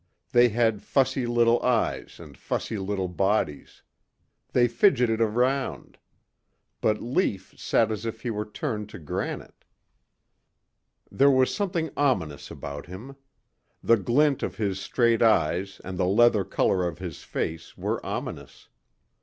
They had fussy little eyes and fussy little bodies. They fidgeted around. But Lief sat as if he were turned to granite. There was something ominous about him. The glint of his straight eyes and the leather color of his face were ominous.